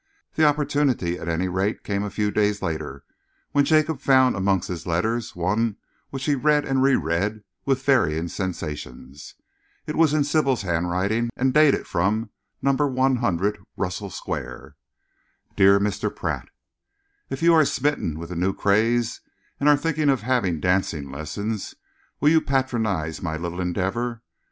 The opportunity, at any rate, came a few days later, when Jacob found amongst his letters one which he read and reread with varying sensations. It was in Sybil's handwriting and dated from Number 100, Russell Square. Dear Mr. Pratt, If you are smitten with the new craze and are thinking of having dancing lessons, will you patronise my little endeavour?